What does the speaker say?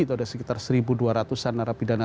itu ada sekitar satu dua ratus an narapidana